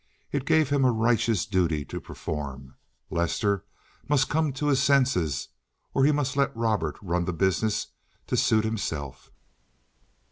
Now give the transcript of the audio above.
It gave him a righteous duty to perform. Lester must come to his senses or he must let Robert run the business to suit himself.